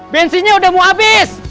bensinnya udah mau abis